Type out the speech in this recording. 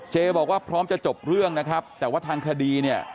บอกว่าพร้อมจะจบเรื่องนะครับแต่ว่าทางคดีเนี่ย